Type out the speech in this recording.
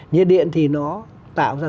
nhiệt điện thì nó tạo ra